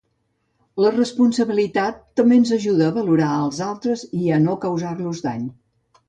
La responsabilitat també ens ajuda a valorar als altres i a no causar-los dany.